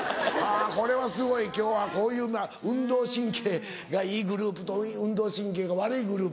これはすごい今日はこういう運動神経がいいグループと運動神経が悪いグループ。